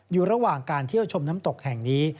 อยู่ระหว่างการเที่ยวชมน้ำตกแห่งนี้